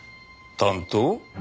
担当？